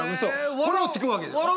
これをつくわけですよ。